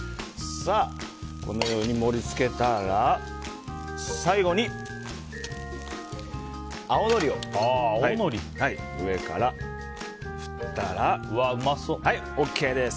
このように盛り付けたら最後に青のりを上から振ったらＯＫです。